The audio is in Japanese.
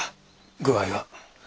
具合は。